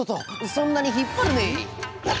そんなに引っ張るな！